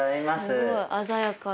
すごい鮮やかな。